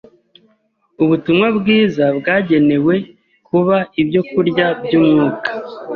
Ubutumwa bwiza bwagenewe kuba ibyo kurya by’Umwuka